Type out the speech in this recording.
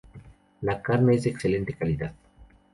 La carne es de excelente calidad.